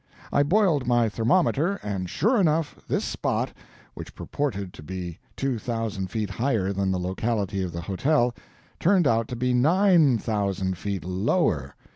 I boiled my thermometer, and sure enough, this spot, which purported to be two thousand feet higher than the locality of the hotel, turned out to be nine thousand feet LOWER.